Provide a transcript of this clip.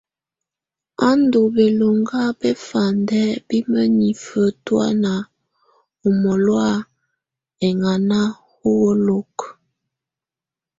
Á ndù bɛloŋga bɛfandɛ bi mǝnifǝ tɔ̀ána ù mɔ̀lɔ̀á ɛŋana ùwolokuǝ.